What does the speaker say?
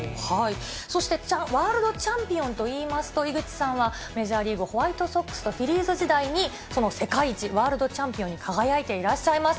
そして、ワールドチャンピオンといいますと、井口さんは、メジャーリーグ・ホワイトソックスとフィリーズ時代にその世界一、ワールドチャンピオンに輝いていらっしゃいます。